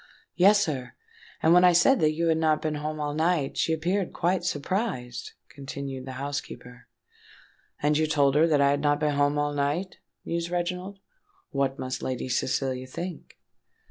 "Yes, sir; and when I said that you had not been home all night, she appeared quite surprised," continued the housekeeper. "And you told her that I had not been home all night?" mused Reginald. "What must Lady Cecilia think?"